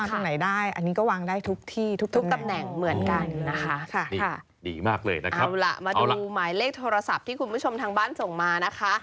มาดูหมายเลขโทรศัพท์ที่ส่วนผู้ชมทางบ้านส่งมานะคะ